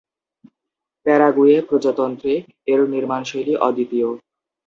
Paraguay প্রজাতন্ত্রে এর নির্মাণশৈলী অদ্বিতীয়।